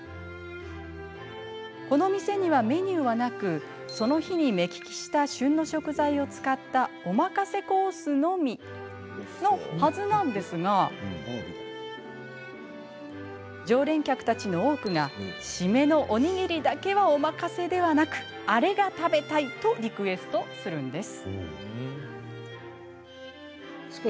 この店には、メニューはなくその日に目利きした旬の食材を使ったお任せコースのみの、はずなんですが常連客たちの多くがシメのおにぎりだけはお任せではなくあれが食べたい！とリクエストするんです。